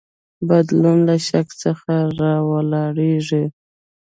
بدلون له شک څخه راولاړیږي.